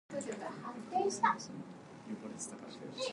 It is east-southeast of the county seat, Cherokee.